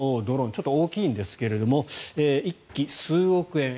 ちょっと大きいんですが１機、数億円。